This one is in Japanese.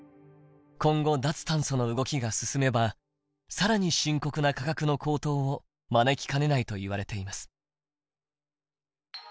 今後脱炭素の動きが進めば更に深刻な価格の高騰を招きかねないといわれています。